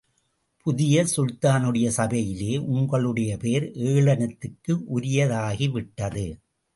புதிய சுல்தானுடைய சபையிலே உங்கள் பெயர் ஏளனத்துக்கு உரியதாகிவிட்டது.